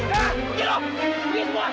gak usah pake uang